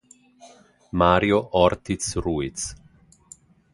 Mario Ortiz Ruiz